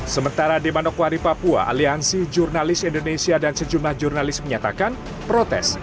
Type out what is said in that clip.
sementara di manokwari papua aliansi jurnalis indonesia dan sejumlah jurnalis menyatakan protes